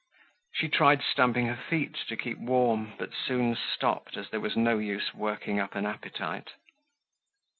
She tried stamping her feet to keep warm, but soon stopped as there was no use working up an appetite.